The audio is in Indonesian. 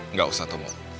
nggak usah tomo